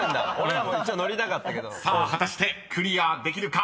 ［さあ果たしてクリアできるか。